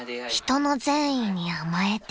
［人の善意に甘えてる］